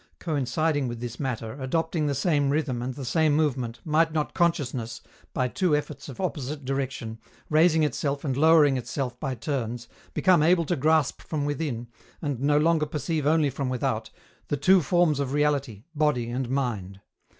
Coinciding with this matter, adopting the same rhythm and the same movement, might not consciousness, by two efforts of opposite direction, raising itself and lowering itself by turns, become able to grasp from within, and no longer perceive only from without, the two forms of reality, body and mind?